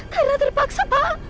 karena terpaksa pak